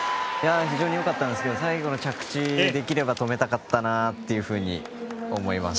非常によかったんですが最後の着地できれば止めたかったなと思います。